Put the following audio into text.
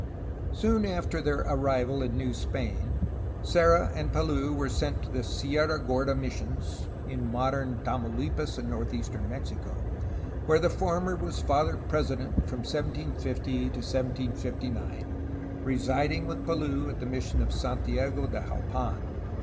Soon after their arrival in New Spain, Serra and Palou were sent to the Sierra Gorda missions (in modern TamauHpas, in northeastern Mexico), where the former was Father President from 1750 to 1759, residing with Palou at the mission of Santiago de Jalpan.